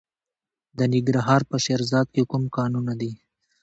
د ننګرهار په شیرزاد کې کوم کانونه دي؟